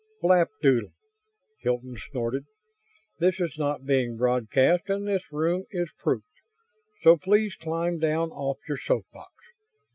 "Flapdoodle!" Hilton snorted. "This is not being broadcast and this room is proofed, so please climb down off your soapbox.